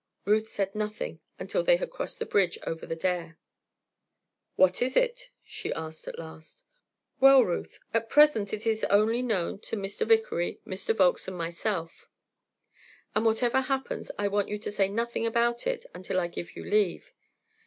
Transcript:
Ruth said nothing until they had crossed the bridge over the Dare. "What is it?" she asked at last. "Well, Ruth, at present it is only known to Mr. Vickery, Mr. Volkes, and myself, and, whatever happens, I want you to say nothing about it until I give you leave.